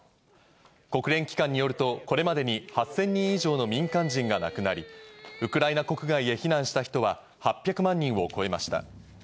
国連機関によると、これまでに８０００人以上の民間人が亡くなり、ウクライナ国外へ避難した人は８００万人を超えました。